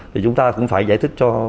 thì chúng ta cũng phải giải thích cho